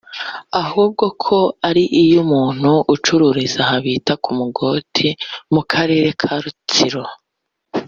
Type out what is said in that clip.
ahubwo ko ari iy’undi muntu ucururiza aho bita ku Mungoti mu karere ka Rutsiro